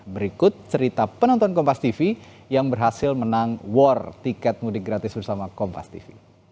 berikut cerita penonton kompastv yang berhasil menang war tiket mudik gratis bersama kompastv